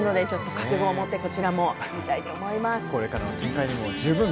覚悟を持ってこちらも見たいと思います。